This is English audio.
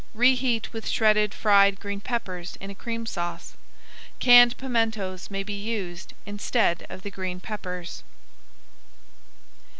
Reheat with shredded fried green peppers in a Cream Sauce. Canned pimentos may be used instead of the green peppers.